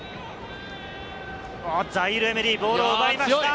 ザイール＝エメリ、ボールを奪いました。